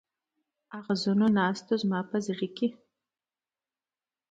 اغزنو ناستو زما په زړه کې.